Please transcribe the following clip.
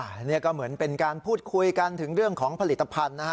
อันนี้ก็เหมือนเป็นการพูดคุยกันถึงเรื่องของผลิตภัณฑ์นะฮะ